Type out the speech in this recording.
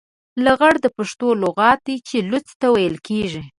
لغړ د پښتو لغت دی چې لوڅ ته ويل کېږي.